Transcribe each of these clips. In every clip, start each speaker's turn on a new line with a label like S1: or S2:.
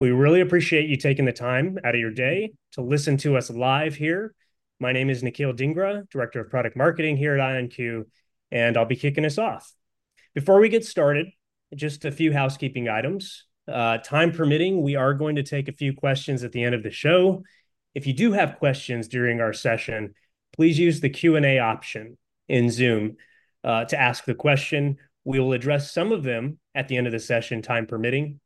S1: We really appreciate you taking the time out of your day to listen to us live here. My name is Nikhil Dhingra, Director of Product Marketing here at IonQ, and I'll be kicking us off. Before we get started, just a few housekeeping items. Time permitting, we are going to take a few questions at the end of the show. If you do have questions during our session, please use the Q&A option in Zoom to ask the question. We will address some of them at the end of the session, time permitting.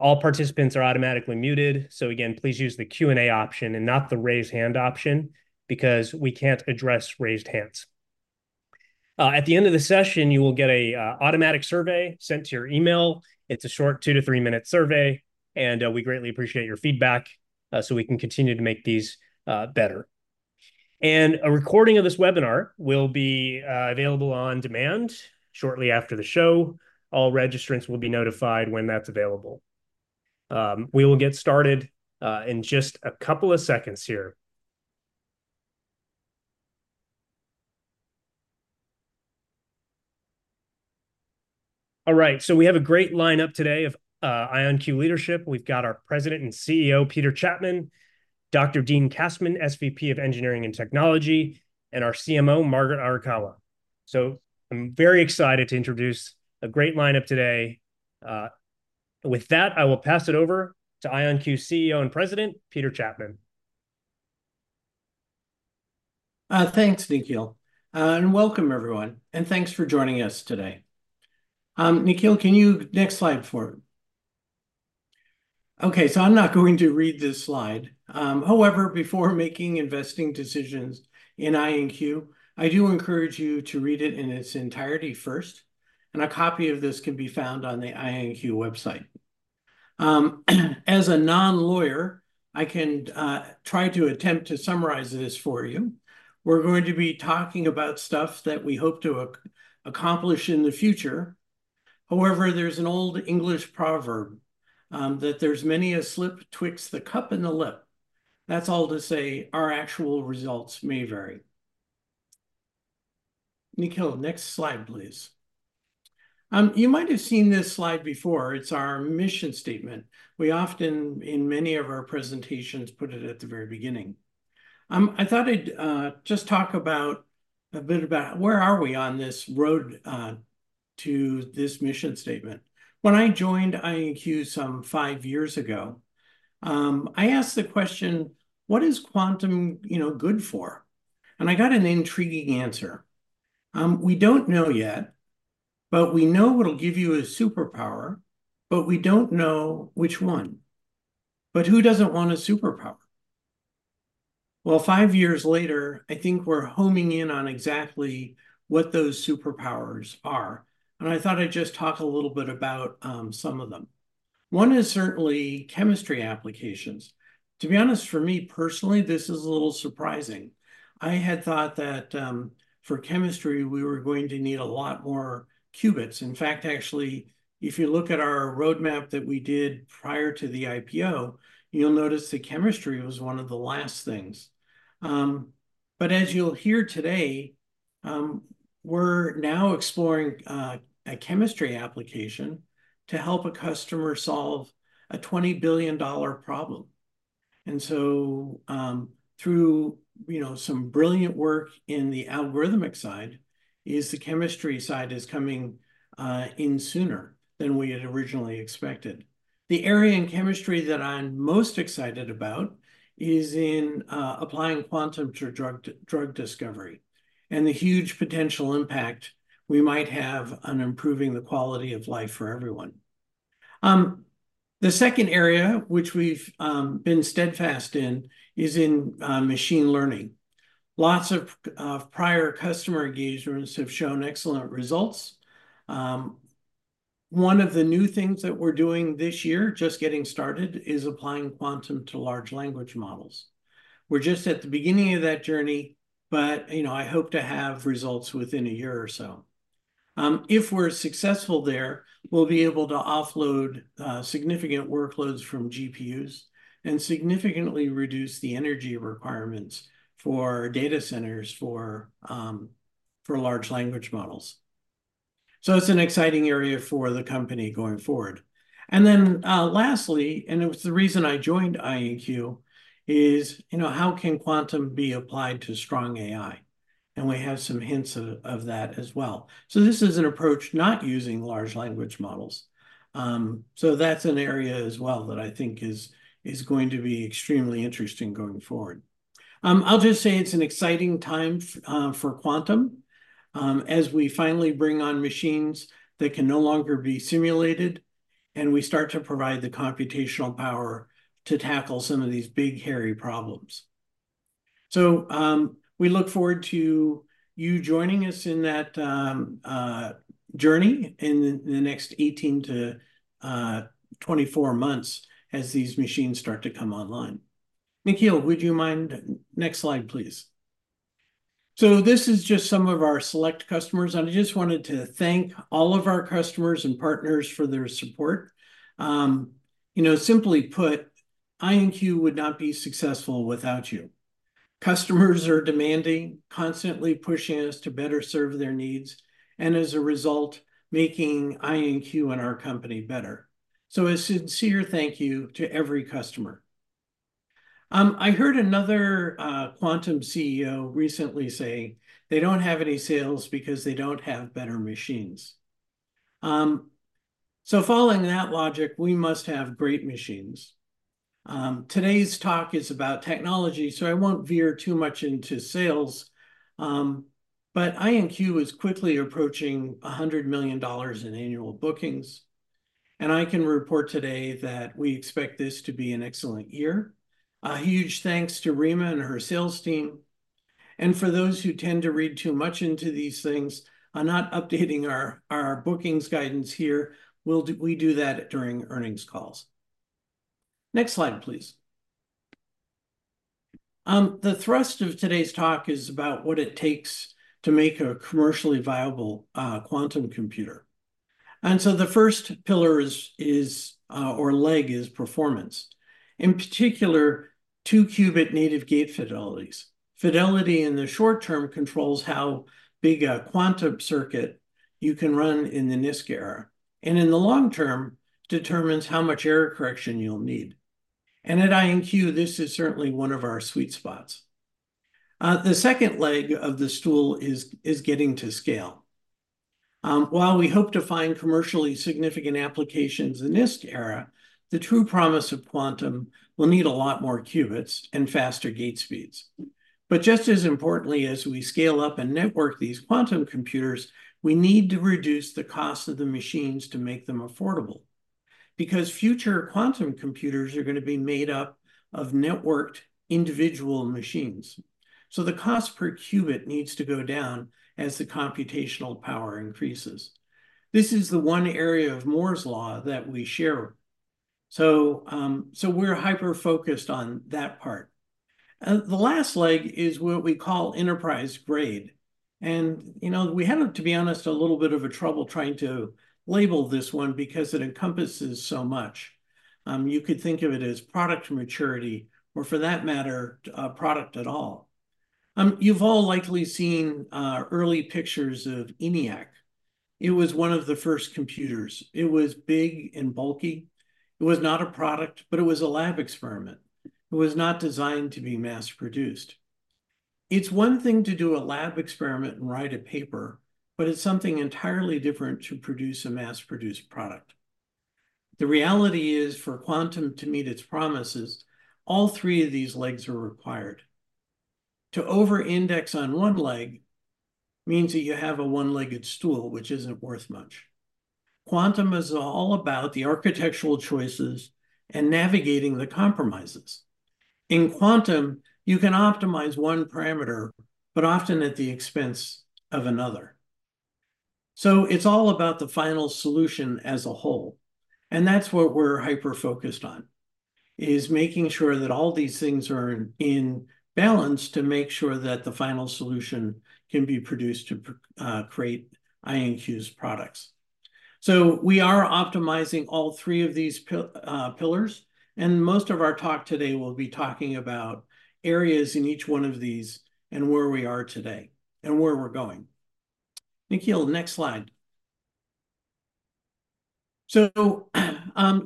S1: All participants are automatically muted, so again, please use the Q&A option and not the Raise Hand option, because we can't address raised hands. At the end of the session, you will get an automatic survey sent to your email. It's a short 2- to 3-minute survey, and we greatly appreciate your feedback so we can continue to make these better. A recording of this webinar will be available on demand shortly after the show. All registrants will be notified when that's available. We will get started in just a couple of seconds here. All right, so we have a great lineup today of IonQ leadership. We've got our President and CEO, Peter Chapman, Dr. Dean Kassmann, SVP of Engineering and Technology, and our CMO, Margaret Arakawa. So I'm very excited to introduce a great lineup today. With that, I will pass it over to IonQ CEO and President, Peter Chapman.
S2: Thanks, Nikhil, and welcome everyone, and thanks for joining us today. Nikhil, can you next slide forward? Okay, so I'm not going to read this slide. However, before making investing decisions in IonQ, I do encourage you to read it in its entirety first, and a copy of this can be found on the IonQ website. As a non-lawyer, I can try to attempt to summarize this for you. We're going to be talking about stuff that we hope to accomplish in the future. However, there's an old English proverb that, "There's many a slip 'twixt the cup and the lip." That's all to say, our actual results may vary. Nikhil, next slide, please. You might have seen this slide before. It's our mission statement. We often, in many of our presentations, put it at the very beginning. I thought I'd just talk about a bit about where are we on this road to this mission statement. When I joined IonQ some five years ago, I asked the question: What is quantum, you know, good for? And I got an intriguing answer. "We don't know yet, but we know it'll give you a superpower, but we don't know which one." But who doesn't want a superpower? Well, five years later, I think we're homing in on exactly what those superpowers are, and I thought I'd just talk a little bit about some of them. One is certainly chemistry applications. To be honest, for me personally, this is a little surprising. I had thought that for chemistry, we were going to need a lot more qubits. In fact, actually, if you look at our roadmap that we did prior to the IPO, you'll notice that chemistry was one of the last things. But as you'll hear today, we're now exploring a chemistry application to help a customer solve a $20 billion problem. And so, through, you know, some brilliant work in the algorithmic side, is the chemistry side is coming in sooner than we had originally expected. The area in chemistry that I'm most excited about is in applying quantum to drug discovery, and the huge potential impact we might have on improving the quality of life for everyone. The second area, which we've been steadfast in, is in machine learning. Lots of prior customer engagements have shown excellent results. One of the new things that we're doing this year, just getting started, is applying quantum to large language models. We're just at the beginning of that journey, but, you know, I hope to have results within a year or so. If we're successful there, we'll be able to offload significant workloads from GPUs and significantly reduce the energy requirements for data centers for large language models. So it's an exciting area for the company going forward. And then, lastly, and it was the reason I joined IonQ, is, you know, how can quantum be applied to strong AI? And we have some hints of that as well. So this is an approach not using large language models. So that's an area as well that I think is going to be extremely interesting going forward. I'll just say it's an exciting time for quantum, as we finally bring on machines that can no longer be simulated, and we start to provide the computational power to tackle some of these big, hairy problems. So, we look forward to you joining us in that journey in the next 18 to 24 months as these machines start to come online. Nikhil, would you mind... Next slide, please. So this is just some of our select customers, and I just wanted to thank all of our customers and partners for their support. You know, simply put, IonQ would not be successful without you.... Customers are demanding, constantly pushing us to better serve their needs, and as a result, making IonQ and our company better. So a sincere thank you to every customer. I heard another quantum CEO recently say they don't have any sales because they don't have better machines. So following that logic, we must have great machines. Today's talk is about technology, so I won't veer too much into sales, but IonQ is quickly approaching $100 million in annual bookings, and I can report today that we expect this to be an excellent year. A huge thanks to Rima and her sales team. And for those who tend to read too much into these things, I'm not updating our bookings guidance here. We do that during earnings calls. Next slide, please. The thrust of today's talk is about what it takes to make a commercially viable quantum computer. The first pillar or leg is performance. In particular, two-qubit native gate fidelities. Fidelity in the short term controls how big a quantum circuit you can run in the NISQ era, and in the long term, determines how much error correction you'll need. And at IonQ, this is certainly one of our sweet spots. The second leg of the stool is getting to scale. While we hope to find commercially significant applications in this era, the true promise of quantum will need a lot more qubits and faster gate speeds. But just as importantly, as we scale up and network these quantum computers, we need to reduce the cost of the machines to make them affordable, because future quantum computers are gonna be made up of networked individual machines. So the cost per qubit needs to go down as the computational power increases. This is the one area of Moore's Law that we share. So, so we're hyper-focused on that part. And the last leg is what we call enterprise grade, and, you know, we had, to be honest, a little bit of a trouble trying to label this one because it encompasses so much. You could think of it as product maturity, or for that matter, a product at all. You've all likely seen early pictures of ENIAC. It was one of the first computers. It was big and bulky. It was not a product, but it was a lab experiment. It was not designed to be mass-produced. It's one thing to do a lab experiment and write a paper, but it's something entirely different to produce a mass-produced product. The reality is, for quantum to meet its promises, all three of these legs are required. To over-index on one leg means that you have a one-legged stool, which isn't worth much. Quantum is all about the architectural choices and navigating the compromises. In quantum, you can optimize one parameter, but often at the expense of another. So it's all about the final solution as a whole, and that's what we're hyper-focused on, is making sure that all these things are in, in balance, to make sure that the final solution can be produced to create IonQ's products. So we are optimizing all three of these pillars, and most of our talk today will be talking about areas in each one of these, and where we are today, and where we're going. Nikhil, next slide. So,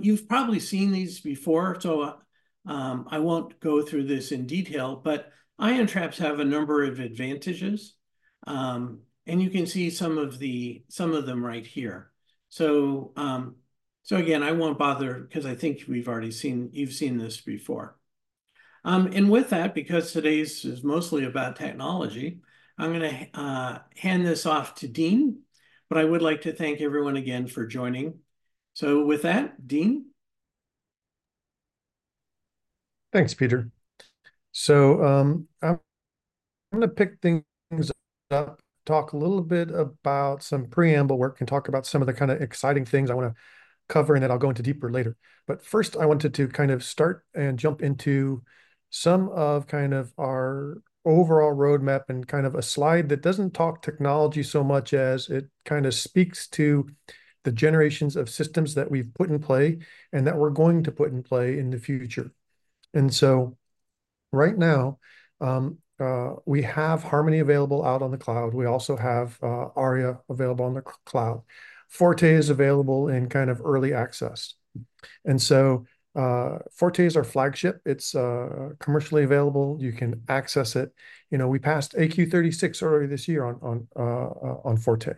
S2: you've probably seen these before, so, I won't go through this in detail, but ion traps have a number of advantages. And you can see some of them right here. So again, I won't bother because I think we've already seen—you've seen this before. And with that, because today's is mostly about technology, I'm gonna hand this off to Dean, but I would like to thank everyone again for joining. So with that, Dean?
S3: Thanks, Peter. So, I'm gonna pick things up, talk a little bit about some preamble work, and talk about some of the kind of exciting things I wanna cover, and then I'll go into deeper later. But first, I wanted to kind of start and jump into some of kind of our overall roadmap and kind of a slide that doesn't talk technology so much as it kind of speaks to the generations of systems that we've put in play, and that we're going to put in play in the future. And so right now, we have Harmony available out on the cloud. We also have Aria available on the cloud. Forte is available in kind of early access. And so, Forte is our flagship. It's commercially available. You can access it. You know, we passed AQ 36 earlier this year on Forte,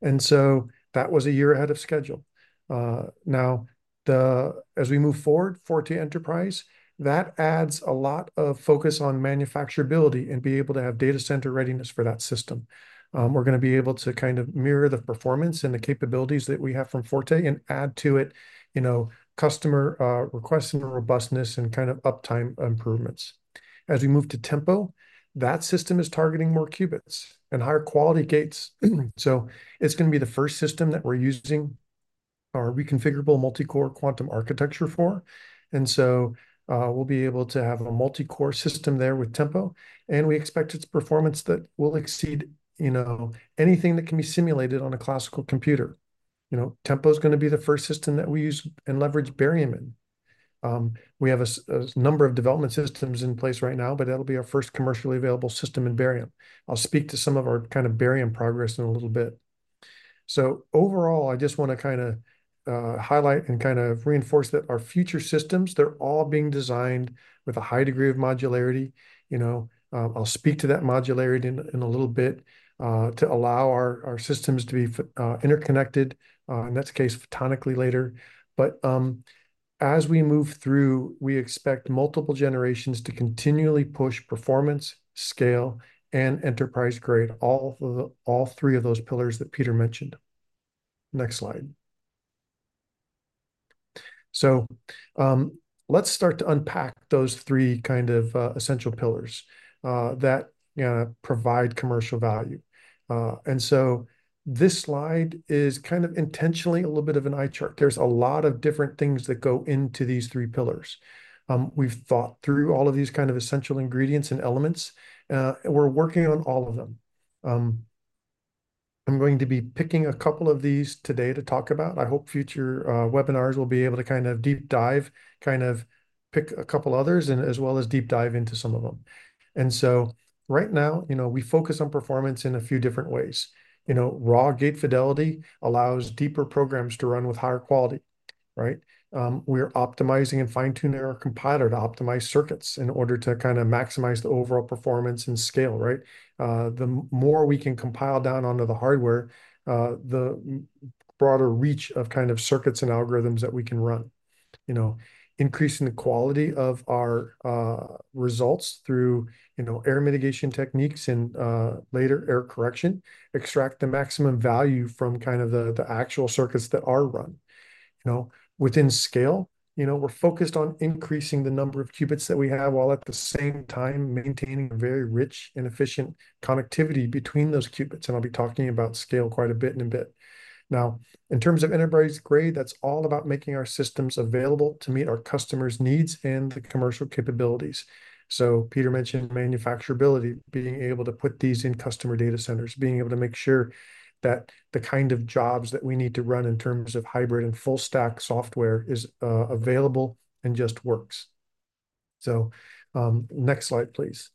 S3: and so that was a year ahead of schedule. Now, as we move forward, Forte Enterprise, that adds a lot of focus on manufacturability and be able to have data center readiness for that system. We're gonna be able to kind of mirror the performance and the capabilities that we have from Forte and add to it, you know, customer requests, and robustness, and kind of uptime improvements. As we move to Tempo, that system is targeting more qubits and higher quality gates. So it's gonna be the first system that we're using our Reconfigurable Multicore Quantum Architecture for. And so, we'll be able to have a multi-core system there with Tempo, and we expect its performance that will exceed, you know, anything that can be simulated on a classical computer. You know, Tempo is gonna be the first system that we use and leverage barium in. We have a number of development systems in place right now, but that'll be our first commercially available system in barium. I'll speak to some of our kind of barium progress in a little bit. So overall, I just wanna kinda highlight and kind of reinforce that our future systems, they're all being designed with a high degree of modularity. You know, I'll speak to that modularity in a little bit to allow our systems to be interconnected in that case, photonically later. But as we move through, we expect multiple generations to continually push performance, scale, and enterprise grade, all three of those pillars that Peter mentioned. Next slide. So, let's start to unpack those three kind of essential pillars that provide commercial value. And so this slide is kind of intentionally a little bit of an eye chart. There's a lot of different things that go into these three pillars. We've thought through all of these kind of essential ingredients and elements, and we're working on all of them. I'm going to be picking a couple of these today to talk about. I hope future webinars will be able to kind of deep dive, kind of pick a couple others, and as well as deep dive into some of them. And so right now, you know, we focus on performance in a few different ways. You know, raw gate fidelity allows deeper programs to run with higher quality, right? We're optimizing and fine-tuning our compiler to optimize circuits in order to kinda maximize the overall performance and scale, right? The more we can compile down onto the hardware, the broader reach of kind of circuits and algorithms that we can run. You know, increasing the quality of our results through, you know, error mitigation techniques and later, error correction, extract the maximum value from kind of the actual circuits that are run. You know, within scale, you know, we're focused on increasing the number of qubits that we have, while at the same time, maintaining a very rich and efficient connectivity between those qubits, and I'll be talking about scale quite a bit in a bit. Now, in terms of enterprise-grade, that's all about making our systems available to meet our customers' needs and the commercial capabilities. So Peter mentioned manufacturability, being able to put these in customer data centers, being able to make sure that the kind of jobs that we need to run in terms of hybrid and full stack software is, available and just works. So, next slide, please.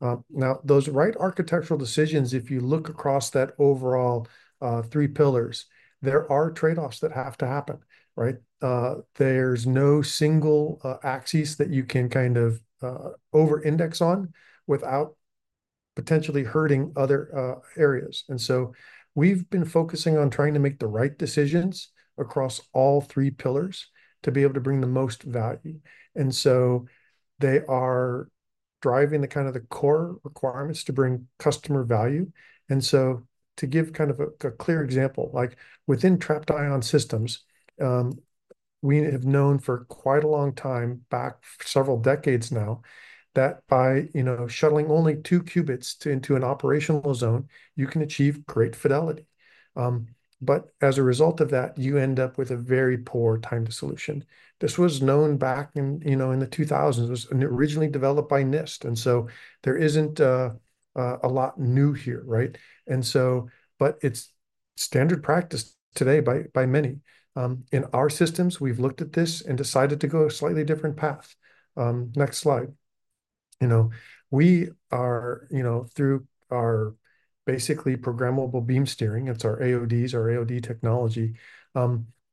S3: Now, those right architectural decisions, if you look across that overall, three pillars, there are trade-offs that have to happen, right? There's no single, axis that you can kind of, over-index on, without potentially hurting other, areas. And so we've been focusing on trying to make the right decisions across all three pillars to be able to bring the most value. And so they are driving the kind of the core requirements to bring customer value. To give kind of a clear example, like within trapped-ion systems, we have known for quite a long time, back several decades now, that by you know shuttling only two qubits into an operational zone, you can achieve great fidelity. But as a result of that, you end up with a very poor time to solution. This was known back in you know in the 2000s. It was originally developed by NIST, and so there isn't a lot new here, right? But it's standard practice today by many. In our systems, we've looked at this and decided to go a slightly different path. Next slide. You know we are you know through our basically programmable beam steering, it's our AODs, our AOD technology,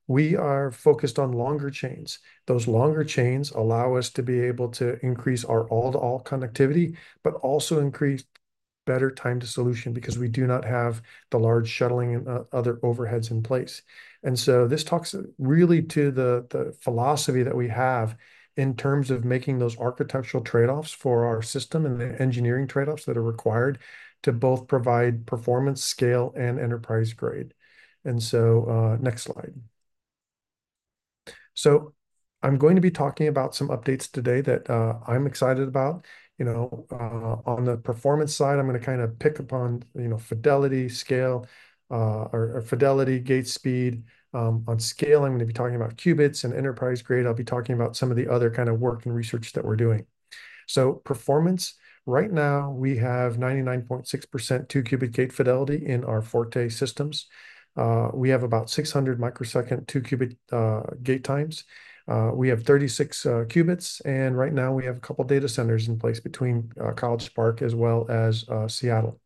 S3: we are focused on longer chains. Those longer chains allow us to be able to increase our all-to-all connectivity, but also increase better time to solution because we do not have the large shuttling and other overheads in place. This talks really to the philosophy that we have in terms of making those architectural trade-offs for our system and the engineering trade-offs that are required to both provide performance, scale, and enterprise grade. Next slide. So I'm going to be talking about some updates today that I'm excited about. You know, on the performance side, I'm gonna kinda pick up on, you know, fidelity, scale, or fidelity, gate speed. On scale, I'm gonna be talking about qubits and enterprise grade. I'll be talking about some of the other kind of work and research that we're doing. So performance, right now, we have 99.6% two-qubit gate fidelity in our Forte systems. We have about 600 microsecond two-qubit gate times. We have 36 qubits, and right now, we have a couple data centers in place between College Park as well as Seattle.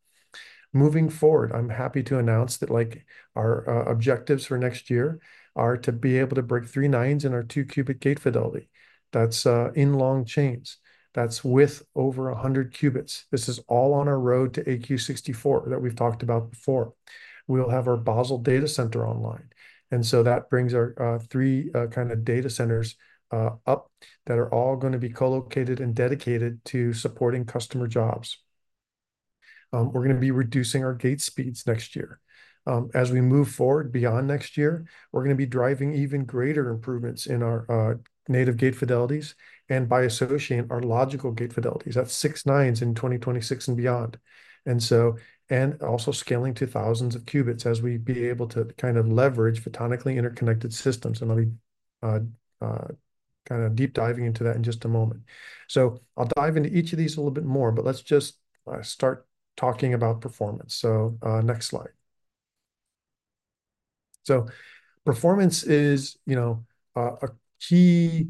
S3: Moving forward, I'm happy to announce that, like, our objectives for next year are to be able to break three nines in our two-qubit gate fidelity. That's in long chains, that's with over 100 qubits. This is all on our road to AQ 64 that we've talked about before. We'll have our Basel data center online, and so that brings our three kind of data centers up, that are all gonna be co-located and dedicated to supporting customer jobs. We're gonna be reducing our gate speeds next year. As we move forward, beyond next year, we're gonna be driving even greater improvements in our native gate fidelities, and by associating our logical gate fidelities. That's six nines in 2026 and beyond. And also scaling to thousands of qubits as we'd be able to kind of leverage photonically interconnected systems, and I'll be kind of deep diving into that in just a moment. So I'll dive into each of these a little bit more, but let's just start talking about performance. So, next slide. So performance is, you know, a key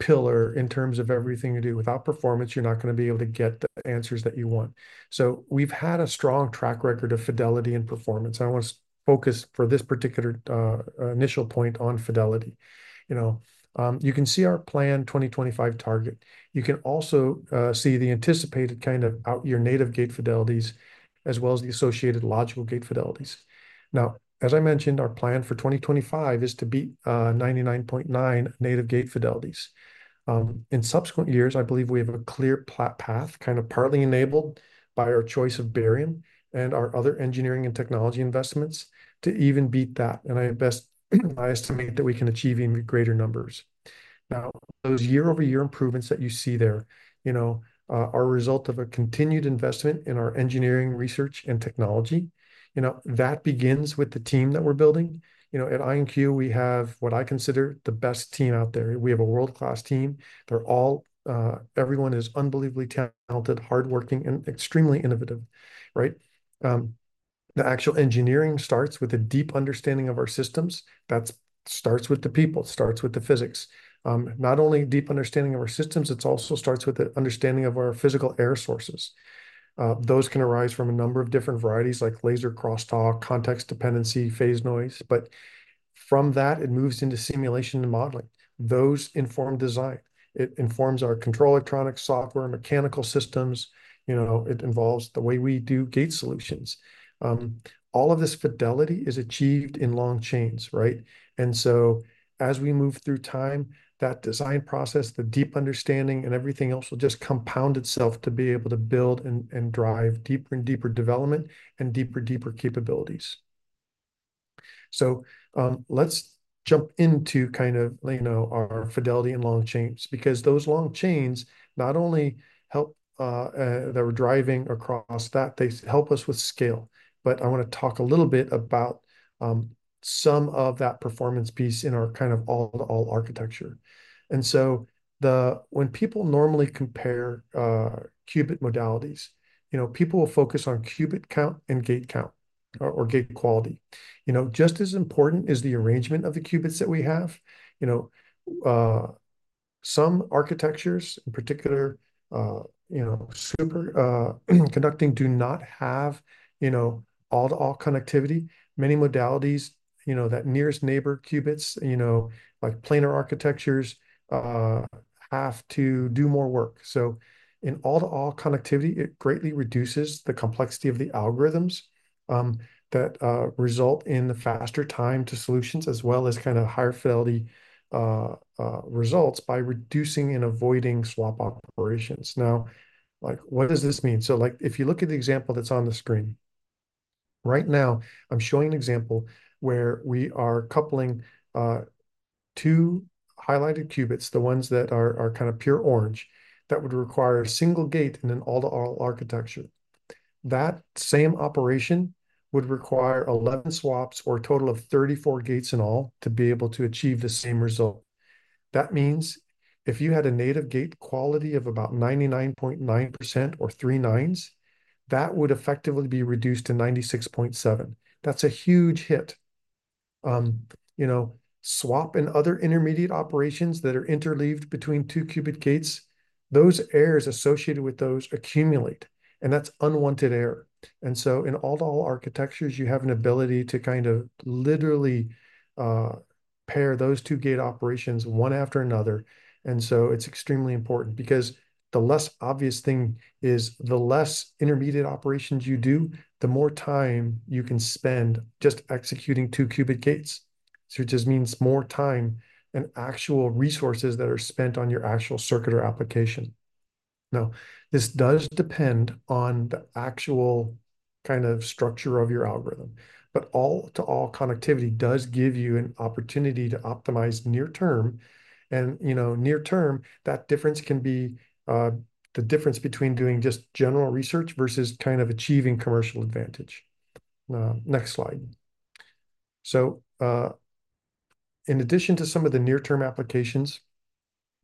S3: pillar in terms of everything you do. Without performance, you're not gonna be able to get the answers that you want. So we've had a strong track record of fidelity and performance. I want to focus for this particular initial point on fidelity. You know, you can see our 2025 target. You can also see the anticipated kind of out-year native gate fidelities, as well as the associated logical gate fidelities. Now, as I mentioned, our plan for 2025 is to beat 99.9% native gate fidelities. In subsequent years, I believe we have a clear path, kind of partly enabled by our choice of barium and our other engineering and technology investments to even beat that, and my best estimate that we can achieve even greater numbers. Now, those year-over-year improvements that you see there, you know, are a result of a continued investment in our engineering, research, and technology. You know, that begins with the team that we're building. You know, at IonQ, we have what I consider the best team out there. We have a world-class team. They're all, everyone is unbelievably talented, hardworking, and extremely innovative, right? The actual engineering starts with a deep understanding of our systems. That starts with the people, starts with the physics. Not only deep understanding of our systems, it's also starts with the understanding of our physical error sources. Those can arise from a number of different varieties, like laser crosstalk, context dependency, phase noise, but from that, it moves into simulation and modeling. Those inform design. It informs our control electronics, software, mechanical systems. You know, it involves the way we do gate solutions. All of this fidelity is achieved in long chains, right? As we move through time, that design process, the deep understanding and everything else, will just compound itself to be able to build and drive deeper and deeper development and deeper, deeper capabilities. So, let's jump into kind of, you know, our fidelity and long chains, because those long chains not only help, they're driving across that, they help us with scale. But I wanna talk a little bit about some of that performance piece in our kind of all-to-all architecture. And so when people normally compare qubit modalities, you know, people will focus on qubit count and gate count or gate quality. You know, just as important is the arrangement of the qubits that we have. You know, some architectures, in particular, you know, superconducting, do not have, you know, all-to-all connectivity. Many modalities, you know, that nearest neighbor qubits, you know, like planar architectures, have to do more work. So in all-to-all connectivity, it greatly reduces the complexity of the algorithms that result in the faster time to solutions, as well as kind of higher fidelity results by reducing and avoiding swap operations. Now, like, what does this mean? So, like, if you look at the example that's on the screen, right now, I'm showing an example where we are coupling two highlighted qubits, the ones that are kind of pure orange, that would require a single gate in an all-to-all architecture. That same operation would require 11 swaps or a total of 34 gates in all to be able to achieve the same result. That means if you had a native gate quality of about 99.9% or three nines, that would effectively be reduced to 96.7. That's a huge hit. You know, swap and other intermediate operations that are interleaved between two-qubit gates, those errors associated with those accumulate, and that's unwanted error. So in all-to-all architectures, you have an ability to kind of literally pair those two gate operations one after another. And so it's extremely important because the less obvious thing is, the less intermediate operations you do, the more time you can spend just executing two-qubit gates. So it just means more time and actual resources that are spent on your actual circuit application. Now, this does depend on the actual kind of structure of your algorithm, but all-to-all connectivity does give you an opportunity to optimize near term, and, you know, near term, that difference can be the difference between doing just general research versus kind of achieving commercial advantage. Next slide. So, in addition to some of the near-term applications,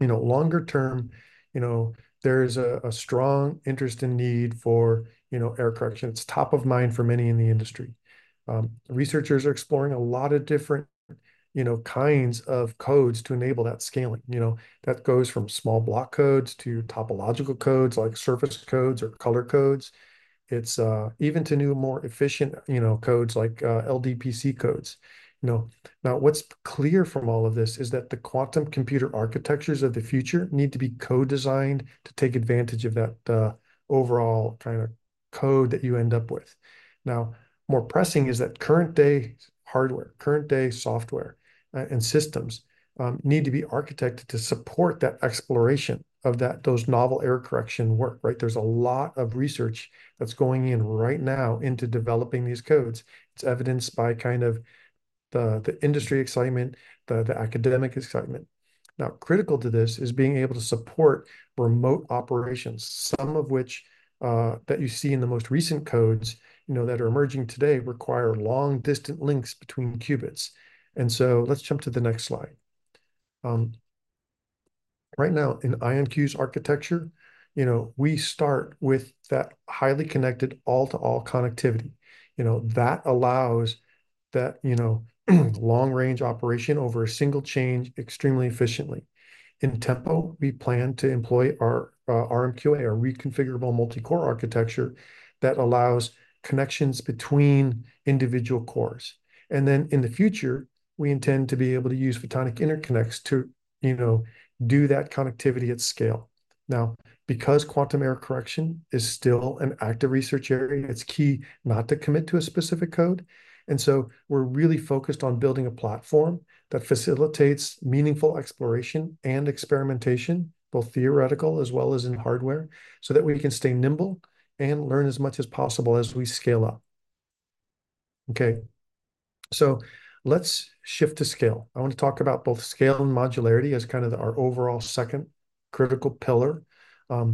S3: you know, longer term, you know, there is a strong interest and need for, you know, error correction. It's top of mind for many in the industry. Researchers are exploring a lot of different, you know, kinds of codes to enable that scaling. You know, that goes from small block codes to topological codes, like surface codes or color codes. It's even to new, more efficient, you know, codes, like LDPC codes, you know. Now, what's clear from all of this is that the quantum computer architectures of the future need to be co-designed to take advantage of that, overall kind of code that you end up with. Now, more pressing is that current day hardware, current day software, and systems need to be architected to support that exploration of that, those novel error correction work, right? There's a lot of research that's going in right now into developing these codes. It's evidenced by kind of the, the industry excitement, the, the academic excitement.... Now, critical to this is being able to support remote operations, some of which, that you see in the most recent codes, you know, that are emerging today require long-distance links between qubits. And so let's jump to the next slide. Right now, in IonQ's architecture, you know, we start with that highly connected all-to-all connectivity. You know, that allows that, you know, long-range operation over a single chain extremely efficiently. In Tempo, we plan to employ our RMQA, our Reconfigurable Multi-Core Architecture, that allows connections between individual cores. And then in the future, we intend to be able to use photonic interconnects to, you know, do that connectivity at scale. Now, because quantum error correction is still an active research area, it's key not to commit to a specific code. And so we're really focused on building a platform that facilitates meaningful exploration and experimentation, both theoretical as well as in hardware, so that we can stay nimble and learn as much as possible as we scale up. Okay, so let's shift to scale. I want to talk about both scale and modularity as kind of our overall second critical pillar. Now,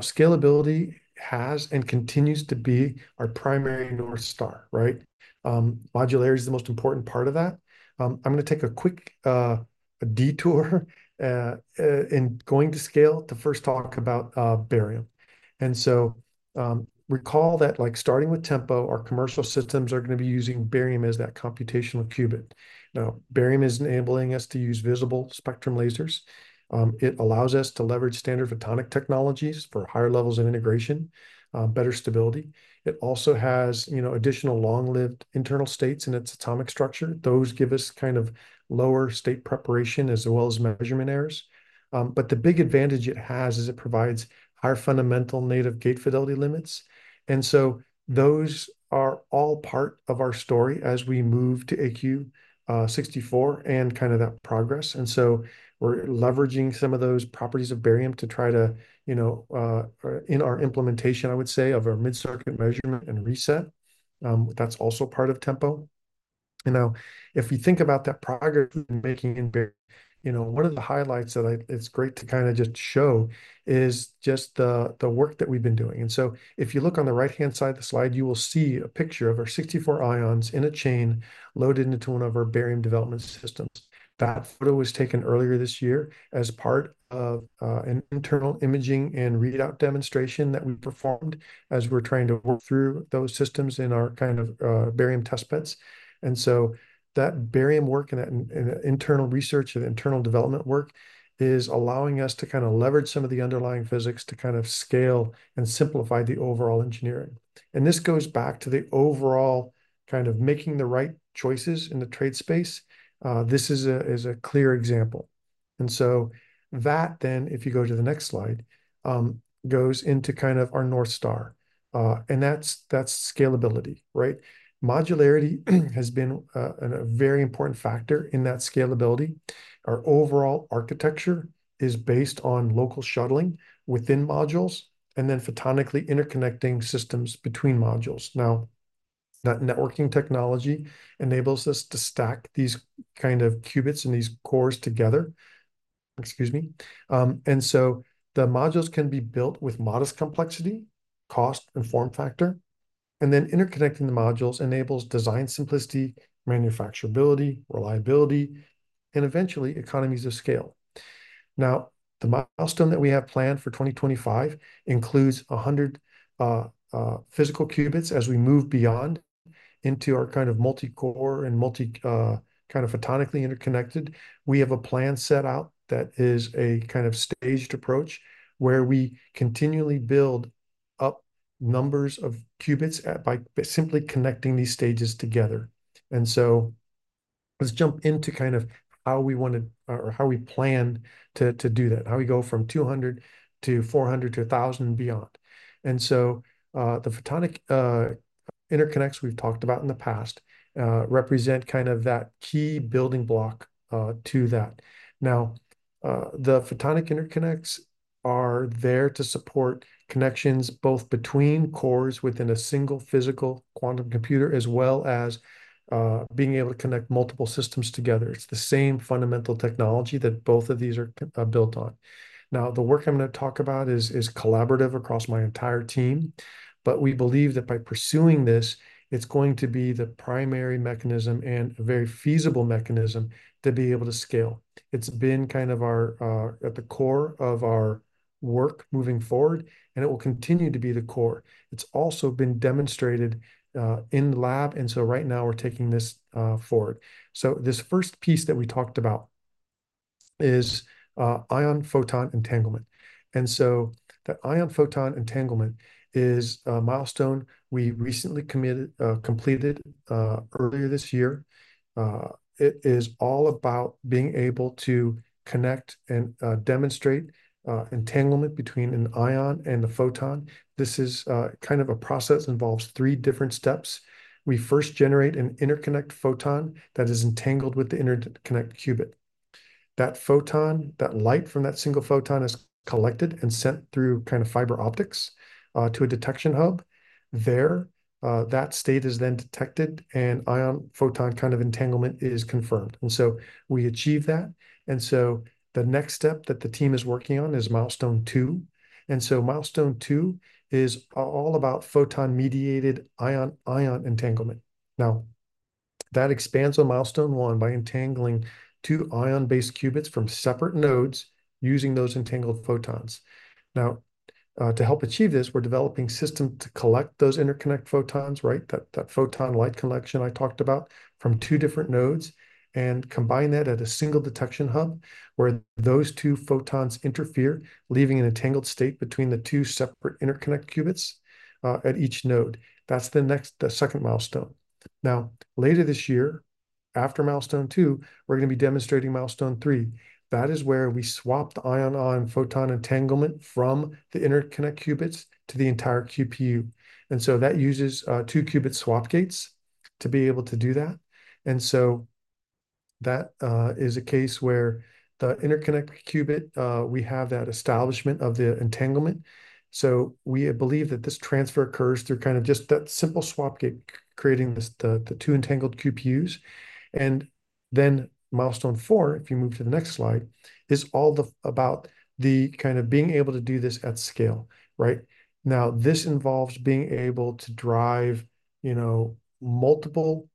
S3: scalability has and continues to be our primary North Star, right? Modularity is the most important part of that. I'm gonna take a quick a detour in going to scale to first talk about barium. And so, recall that, like, starting with Tempo, our commercial systems are gonna be using barium as that computational qubit. Now, barium is enabling us to use visible spectrum lasers. It allows us to leverage standard photonic technologies for higher levels of integration, better stability. It also has, you know, additional long-lived internal states in its atomic structure. Those give us kind of lower state preparation as well as measurement errors. But the big advantage it has is it provides higher fundamental native gate fidelity limits. And so those are all part of our story as we move to AQ 64, and kind of that progress. And so we're leveraging some of those properties of barium to try to, you know, in our implementation, I would say, of our mid-circuit measurement and reset. That's also part of Tempo. You know, if you think about that progress we've been making in barium, you know, one of the highlights that it's great to kind of just show is just the work that we've been doing. And so if you look on the right-hand side of the slide, you will see a picture of our 64 ions in a chain loaded into one of our barium development systems. That photo was taken earlier this year as part of an internal imaging and readout demonstration that we performed as we're trying to work through those systems in our kind of barium test beds. And so that barium work and that internal research and internal development work is allowing us to kind of leverage some of the underlying physics to kind of scale and simplify the overall engineering. And this goes back to the overall kind of making the right choices in the trade space. This is a clear example. And so that then, if you go to the next slide, goes into kind of our North Star, and that's scalability, right? Modularity has been a very important factor in that scalability. Our overall architecture is based on local shuttling within modules, and then photonically interconnecting systems between modules. Now, that networking technology enables us to stack these kind of qubits and these cores together. Excuse me. And so the modules can be built with modest complexity, cost, and form factor, and then interconnecting the modules enables design simplicity, manufacturability, reliability, and eventually economies of scale. Now, the milestone that we have planned for 2025 includes 100 physical qubits as we move beyond into our kind of multi-core and multi kind of photonically interconnected. We have a plan set out that is a kind of staged approach, where we continually build up numbers of qubits by simply connecting these stages together. And so let's jump into kind of how we want to, or how we plan to do that, how we go from 200 to 400 to 1,000 and beyond. And so, the photonic interconnects we've talked about in the past represent kind of that key building block to that. Now, the photonic interconnects are there to support connections both between cores within a single physical quantum computer, as well as being able to connect multiple systems together. It's the same fundamental technology that both of these are built on. Now, the work I'm gonna talk about is collaborative across my entire team, but we believe that by pursuing this, it's going to be the primary mechanism and a very feasible mechanism to be able to scale. It's been kind of our at the core of our work moving forward, and it will continue to be the core. It's also been demonstrated in lab, and so right now we're taking this forward. This first piece that we talked about is ion–photon entanglement. The ion–photon entanglement is a milestone we recently committed, completed, earlier this year. It is all about being able to connect and demonstrate entanglement between an ion and a photon. This is kind of a process, involves three different steps. We first generate an interconnect photon that is entangled with the interconnect qubit. That photon, that light from that single photon, is collected and sent through kind of fiber optics to a detection hub. That state is then detected, and ion–photon kind of entanglement is confirmed. We achieved that, and the next step that the team is working on is Milestone Two. Milestone Two is all about photon-mediated ion–ion entanglement. Now, that expands on Milestone One by entangling two ion-based qubits from separate nodes using those entangled photons. Now, to help achieve this, we're developing systems to collect those interconnect photons, right? That, that photon light collection I talked about, from two different nodes and combine that at a single detection hub, where those two photons interfere, leaving an entangled state between the two separate interconnect qubits, at each node. That's the next, the second milestone. Now, later this year, after Milestone Two, we're gonna be demonstrating Milestone Three. That is where we swap the ion-ion photon entanglement from the interconnect qubits to the entire QPU, and so that uses, two qubit swap gates to be able to do that. And so that, is a case where the interconnect qubit, we have that establishment of the entanglement. So we believe that this transfer occurs through kind of just that simple swap gate, creating this, the two entangled QPUs. And then Milestone 4, if you move to the next slide, is all about the kind of being able to do this at scale, right? Now, this involves being able to drive, you know, multiple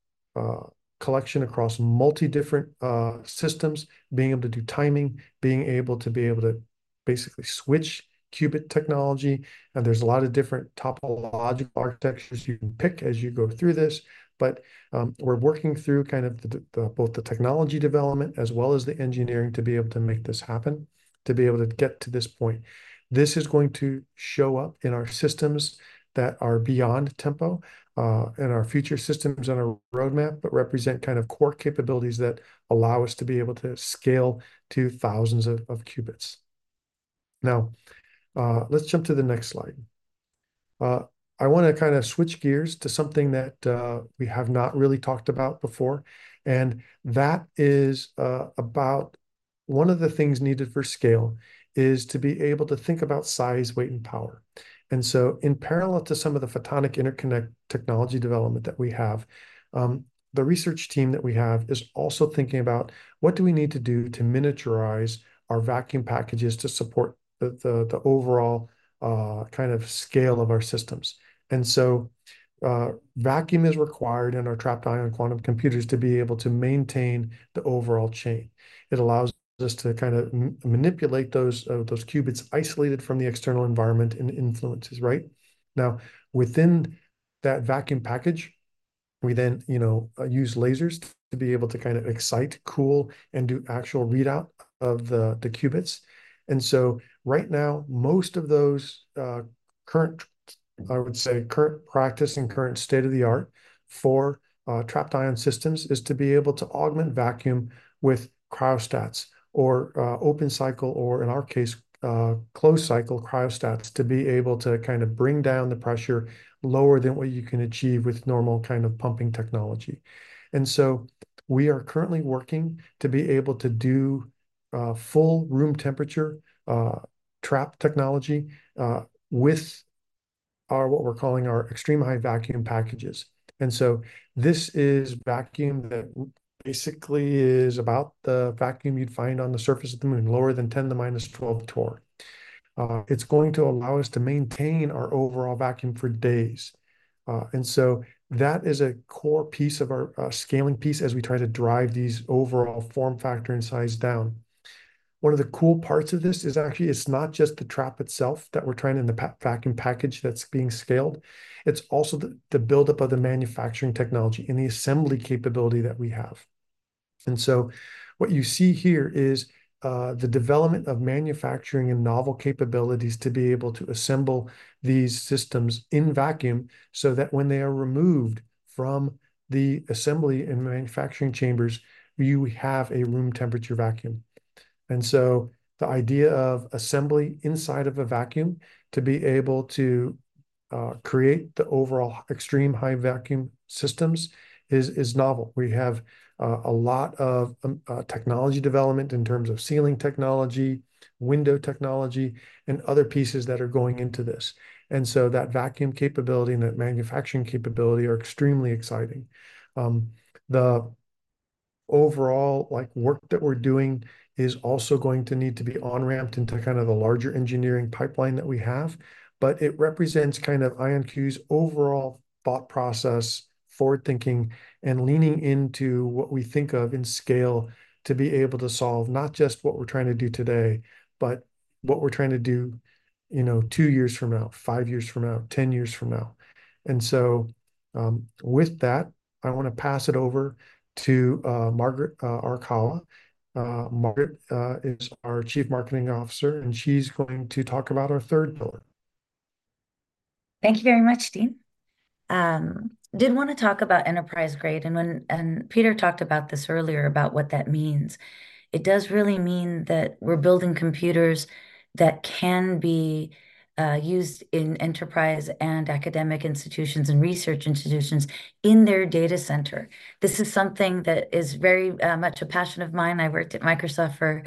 S3: collection across multiple different systems, being able to do timing, being able to basically switch qubit technology, and there's a lot of different topological architectures you can pick as you go through this. But, we're working through kind of both the technology development, as well as the engineering, to be able to make this happen, to be able to get to this point. This is going to show up in our systems that are beyond Tempo, in our future systems on our roadmap, but represent kind of core capabilities that allow us to be able to scale to thousands of qubits. Now, let's jump to the next slide. I wanna kind of switch gears to something that we have not really talked about before, and that is about one of the things needed for scale, is to be able to think about size, weight, and power. And so in parallel to some of the photonic interconnect technology development that we have, the research team that we have is also thinking about what do we need to do to miniaturize our vacuum packages to support the overall kind of scale of our systems? And so, vacuum is required in our trapped ion quantum computers to be able to maintain the overall chain. It allows us to kind of manipulate those qubits isolated from the external environment and influences, right? Now, within that vacuum package, we then, you know, use lasers to be able to kind of excite, cool, and do actual readout of the qubits. And so right now, most of those current... I would say, current practice and current state-of-the-art for trapped ion systems, is to be able to augment vacuum with cryostats or open cycle, or in our case, closed cycle cryostats, to be able to kind of bring down the pressure lower than what you can achieve with normal kind of pumping technology. We are currently working to be able to do full room temperature trap technology with our what we're calling our Extreme High Vacuum packages. This is vacuum that basically is about the vacuum you'd find on the surface of the Moon, lower than 10^-12 torr. It's going to allow us to maintain our overall vacuum for days. That is a core piece of our scaling piece as we try to drive these overall form factor and size down. One of the cool parts of this is actually it's not just the trap itself that we're trying in the vacuum package that's being scaled, it's also the build-up of the manufacturing technology and the assembly capability that we have. So what you see here is the development of manufacturing and novel capabilities to be able to assemble these systems in vacuum, so that when they are removed from the assembly and manufacturing chambers, you have a room temperature vacuum. So the idea of assembly inside of a vacuum to be able to create the overall Extreme High Vacuum systems is novel. We have a lot of technology development in terms of sealing technology, window technology, and other pieces that are going into this, and so that vacuum capability and that manufacturing capability are extremely exciting. The overall, like, work that we're doing is also going to need to be on-ramped into kind of the larger engineering pipeline that we have, but it represents kind of IonQ's overall thought process, forward-thinking, and leaning into what we think of in scale to be able to solve not just what we're trying to do today, but what we're trying to do, you know, two years from now, five years from now, 10 years from now. With that, I want to pass it over to Margaret Arakawa. Margaret is our Chief Marketing Officer, and she's going to talk about our third pillar.
S4: Thank you very much, Dean. Did wanna talk about enterprise-grade, and Peter talked about this earlier, about what that means. It does really mean that we're building computers that can be used in enterprise and academic institutions and research institutions in their data center. This is something that is very much a passion of mine. I worked at Microsoft for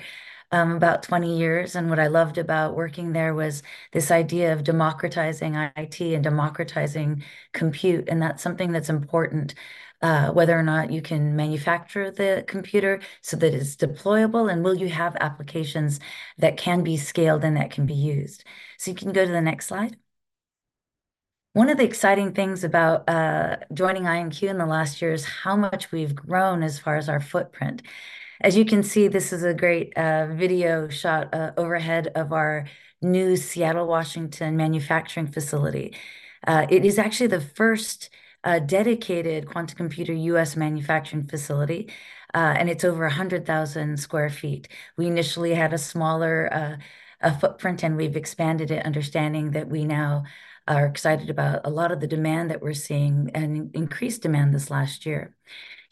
S4: about 20 years, and what I loved about working there was this idea of democratizing IT and democratizing compute, and that's something that's important, whether or not you can manufacture the computer so that it's deployable, and will you have applications that can be scaled and that can be used? So you can go to the next slide. One of the exciting things about joining IonQ in the last year is how much we've grown as far as our footprint. As you can see, this is a great video shot overhead of our new Seattle, Washington, manufacturing facility. It is actually the first dedicated quantum computer U.S. manufacturing facility, and it's over 100,000 sq ft. We initially had a smaller footprint, and we've expanded it, understanding that we now are excited about a lot of the demand that we're seeing, and increased demand this last year.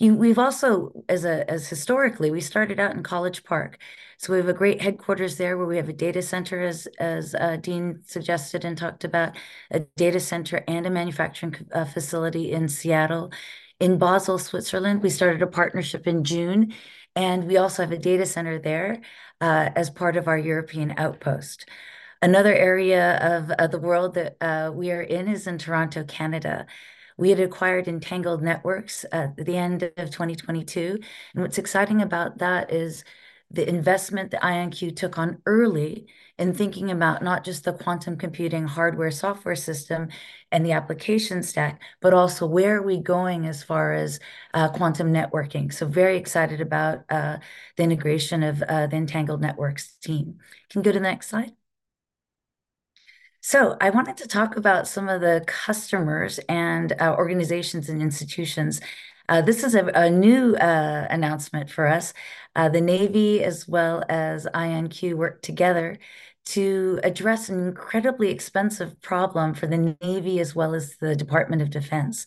S4: We've also, as historically, we started out in College Park, so we have a great headquarters there, where we have a data center, as Dean suggested and talked about, a data center and a manufacturing facility in Seattle. In Basel, Switzerland, we started a partnership in June, and we also have a data center there, as part of our European outpost. Another area of the world that we are in is in Toronto, Canada. We had acquired Entangled Networks at the end of 2022, and what's exciting about that is the investment that IonQ took on early in thinking about not just the quantum computing hardware, software system and the application stack, but also, where are we going as far as quantum networking? So very excited about the integration of the Entangled Networks team. You can go to the next slide. So I wanted to talk about some of the customers and organizations and institutions. This is a new announcement for us. The Navy, as well as IonQ, worked together to address an incredibly expensive problem for the Navy, as well as the Department of Defense.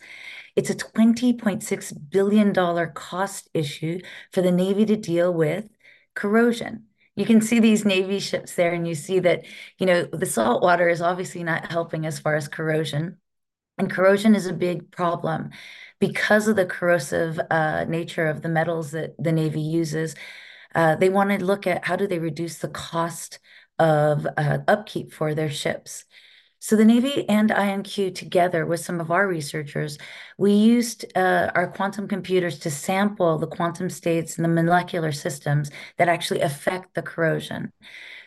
S4: It's a $20.6 billion cost issue for the Navy to deal with corrosion. You can see these Navy ships there, and you see that, you know, the salt water is obviously not helping as far as corrosion, and corrosion is a big problem. Because of the corrosive nature of the metals that the Navy uses, they wanted to look at, how do they reduce the cost of upkeep for their ships? So the Navy and IonQ, together with some of our researchers, we used our quantum computers to sample the quantum states and the molecular systems that actually affect the corrosion.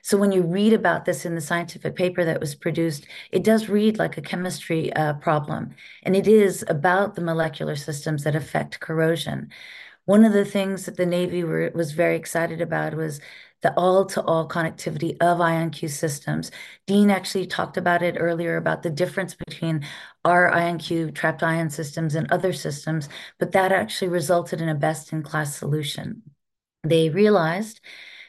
S4: So when you read about this in the scientific paper that was produced, it does read like a chemistry problem, and it is about the molecular systems that affect corrosion. One of the things that the Navy was very excited about was the all-to-all connectivity of IonQ systems. Dean actually talked about it earlier, about the difference between our IonQ trapped ion systems and other systems, but that actually resulted in a best-in-class solution. They realized